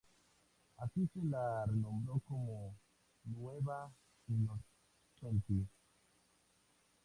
Así se la renombró como "Nuova Innocenti.